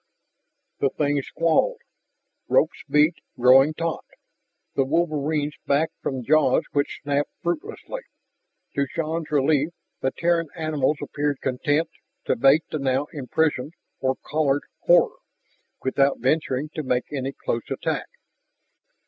The thing squalled. Ropes beat, growing taut. The wolverines backed from jaws which snapped fruitlessly. To Shann's relief the Terran animals appeared content to bait the now imprisoned or collared horror, without venturing to make any close attack.